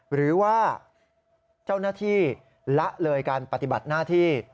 หรือว่าเจ้าหน้าที่ละเลยการปฏิบัติหน้าที่